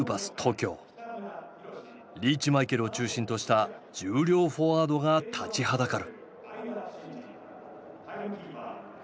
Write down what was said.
リーチマイケルを中心とした重量フォワードが立ちはだかる。